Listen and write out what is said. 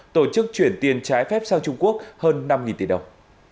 tổ chức chuyển tiền trái phép sang trung quốc hơn năm tỷ đồng